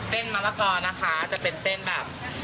มะละกอนะคะจะเป็นเส้นแบบ